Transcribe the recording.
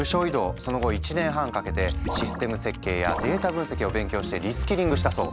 その後１年半かけてシステム設計やデータ分析を勉強してリスキリングしたそう。